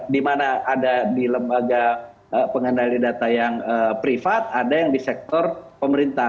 di mana ada di lembaga pengendali data yang privat ada yang di sektor pemerintah